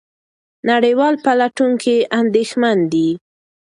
نړیوال پلټونکي اندېښمن دي.